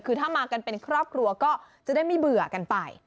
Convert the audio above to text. คือถ้ามากันเป็นครอบครัวก็จะได้ไม่เบื่อกันไป